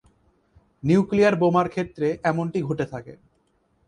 Nuclear বোমার ক্ষেত্রে এমনটি ঘটে থাকে।